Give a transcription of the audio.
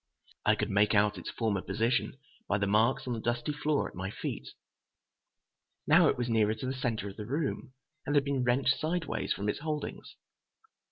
I could make out its former position by the marks on the dusty floor at my feet. Now it was nearer to the center of the room, and had been wrenched sidewise from its holdings.